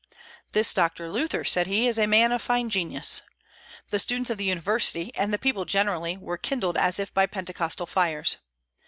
"This Doctor Luther," said he, "is a man of fine genius." The students of the university, and the people generally, were kindled as if by Pentecostal fires.